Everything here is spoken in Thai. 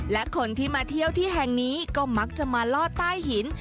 และคนที่มาเที่ยวที่แห่งนี้ก็มักจะมาลอดใต้หิน